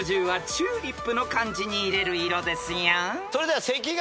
チューリップの漢字に入れる色ですよ］